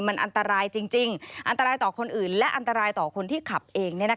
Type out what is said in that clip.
มันอันตรายจริงอันตรายต่อคนอื่นและอันตรายต่อคนที่ขับเอง